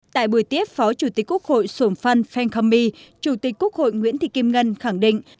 tại buổi tiếp phó chủ tịch quốc hội sổng phan phan khang my chủ tịch quốc hội nguyễn thị kim ngân khẳng định